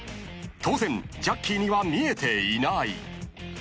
［当然ジャッキーには見えていない］